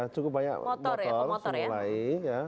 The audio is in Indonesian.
cukup banyak motor semua lain